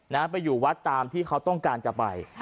ไปอยู่วัดตามที่เขาต้องการจะไป